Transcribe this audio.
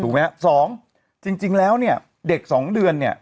ถูกไหมฮะสองจริงจริงแล้วเนี่ยเด็กสองเดือนเนี่ย